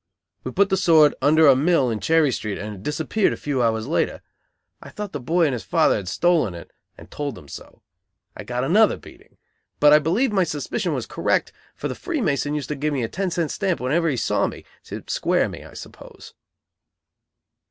We put the sword under a mill in Cherry Street and it disappeared a few hours later. I thought the boy and his father had stolen it, and told them so. I got another beating, but I believe my suspicion was correct, for the free mason used to give me a ten cent stamp whenever he saw me to square me, I suppose.